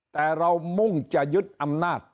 แต่เรามุ่งจะยึดอำนาจ